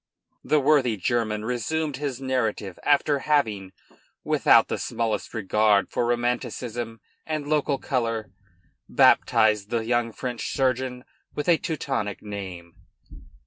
The worthy German resumed his narrative after having, without the smallest regard for romanticism and local color, baptized the young French surgeon with a Teutonic name.